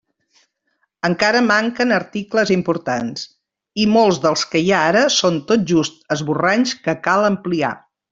Encara manquen articles importants, i molts dels que hi ha ara són tot just esborranys que cal ampliar.